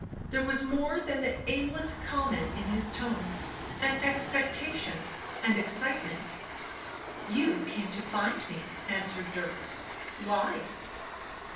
There was more than the aimless comment in his tone, an expectation, an excitement. "You came to find me," answered Dirk. "Why?"